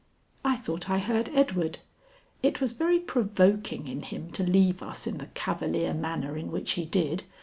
"I thought I heard Edward. It was very provoking in him to leave us in the cavalier manner in which he did.